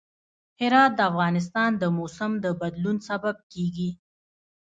هرات د افغانستان د موسم د بدلون سبب کېږي.